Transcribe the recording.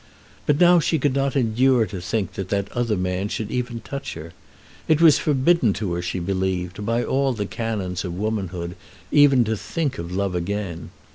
But now she could not endure to think that that other man should even touch her. It was forbidden to her, she believed, by all the canons of womanhood even to think of love again.